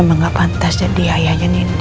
kamu memang gak pantas jadi ayahnya nindi